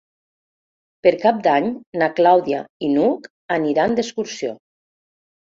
Per Cap d'Any na Clàudia i n'Hug aniran d'excursió.